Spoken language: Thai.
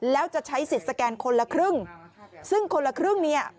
แล้วจะใช้สิทธิ์สแกนคนละครึ่งซึ่งคนละครึ่งเนี่ย